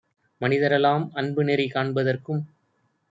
மனிதரெலாம் அன்புநெறி காண்ப தற்கும்